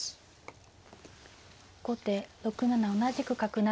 後手６七同じく角成。